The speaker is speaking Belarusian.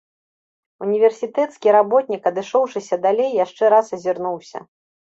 Універсітэцкі работнік, адышоўшыся далей, яшчэ раз азірнуўся.